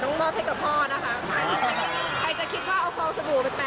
สรุปฟิสิกิเองอีกไหมครับ